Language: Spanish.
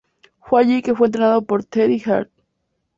Fue allí que fue entrenado por Teddy Hart.